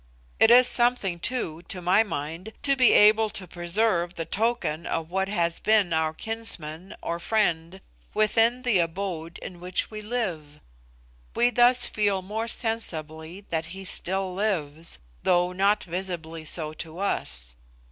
It is something, too, to my mind, to be able to preserve the token of what has been our kinsman or friend within the abode in which we live. We thus feel more sensibly that he still lives, though not visibly so to us.